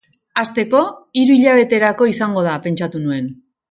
Hasteko, hiru hilabeterako izango da, pentsatu nuen.